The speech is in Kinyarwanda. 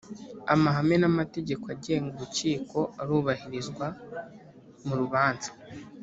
amahame n ‘amategeko agenga urukiko arubahirizwa murubanza.